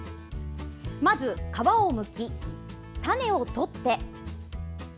まず皮をむき、種を取って。